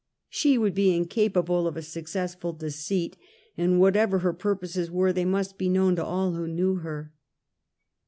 She would be in capable of a successful deceit, and whatever her pur poses were, they must be known to all who knew her.